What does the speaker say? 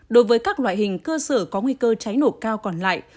đối với các loại hình cơ sở có nguy cơ cháy nổ cao còn lại